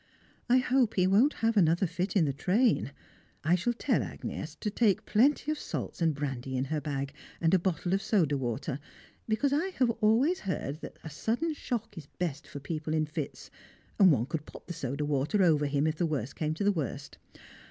I hope he won't have another fit in the train, I shall tell Agnès to take plenty of salts and brandy in her bag, and a bottle of soda water, because I have always heard that a sudden shock is best for people in fits, and one could pop the soda water over him if the worst came to the worst.